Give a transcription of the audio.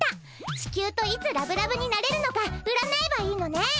地球といつラブラブになれるのか占えばいいのね？